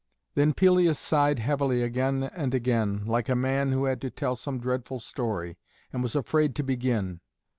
Then Pelias sighed heavily again and again, like a man who had to tell some dreadful story, and was afraid to begin.